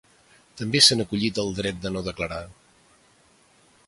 També s’han acollit al dret a no declarar.